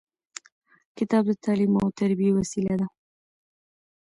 کتاب د تعلیم او تربیې وسیله ده.